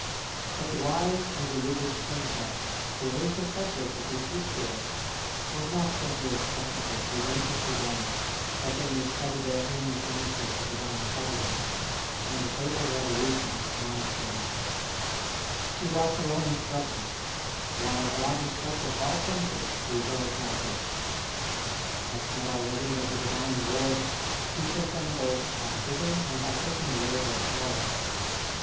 [Footnote 5: The Queen's heart was kept in the church where Bossuet was speaking.] But the wise and religious Princess who is the subject of this discourse was not simply a spectacle presented to them that they may study therein the counsels of Divine Providence and the fatal revolutions of monasteries: she was her own instructor, while God instructed all princes through her example. I have said already that the Divine Lord teaches them both by giving and by taking away their power.